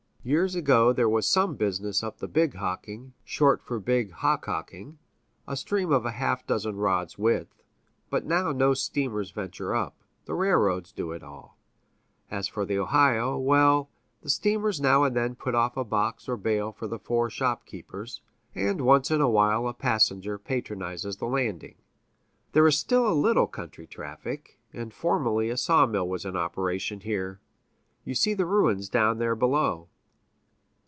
Years ago there was some business up the Big Hocking (short for Big Hockhocking), a stream of a half dozen rods' width, but now no steamer ventures up the railroads do it all; as for the Ohio well, the steamers now and then put off a box or bale for the four shop keepers, and once in a while a passenger patronizes the landing. There is still a little country traffic, and formerly a sawmill was in operation here; you see its ruins down there below.